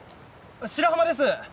白浜です